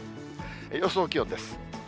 予想気温です。